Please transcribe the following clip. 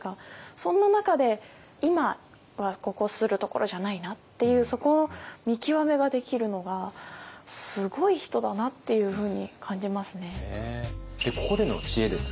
そんな中で今はここするところじゃないなっていうそこの見極めができるのがすごい人だなっていうふうに感じますね。